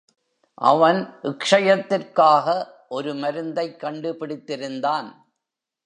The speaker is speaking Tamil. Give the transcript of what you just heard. அவன் க்ஷயத்திற்காக ஒரு மருந்தைக்கண்டு பிடித்திருந்தான்.